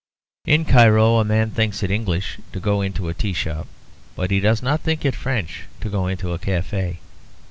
In Cairo a man thinks it English to go into a tea shop; but he does not think it French to go into a cafe.